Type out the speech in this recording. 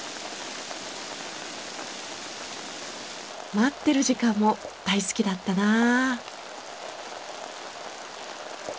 待ってる時間も大好きだったなあ。